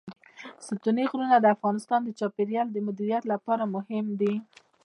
ستوني غرونه د افغانستان د چاپیریال د مدیریت لپاره مهم دي.